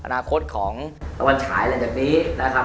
อนาคตของตะวันฉายหลังจากนี้นะครับ